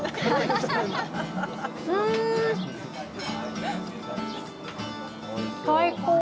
うん！最高！